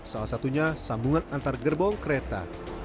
salah satunya sambungan antar gerbong kereta